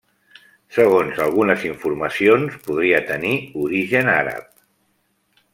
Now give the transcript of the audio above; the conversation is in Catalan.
Segons algunes informacions podria tenir origen àrab.